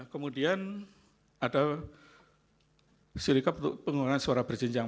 kemudian ada sirikap untuk penggunaan suara berjenjang